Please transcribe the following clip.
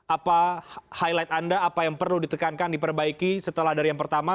apa highlight anda apa yang perlu ditekankan diperbaiki setelah dari yang pertama